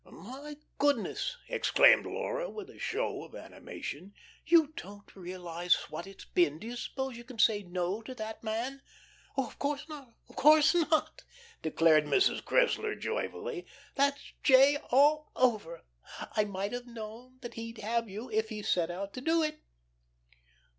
"My goodness!" exclaimed Laura, with a show of animation. "You don't realize what it's been. Do you suppose you can say 'no' to that man?" "Of course not, of course not," declared Mrs. Cressler joyfully. "That's 'J.' all over. I might have known he'd have you if he set out to do it."